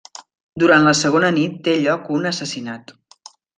Durant la segona nit té lloc un assassinat.